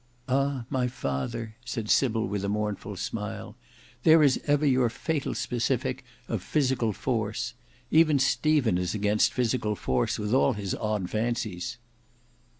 "Ah! my father," said Sybil with a mournful smile, "there is ever your fatal specific of physical force. Even Stephen is against physical force, with all his odd fancies."